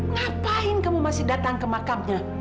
ngapain kamu masih datang ke makamnya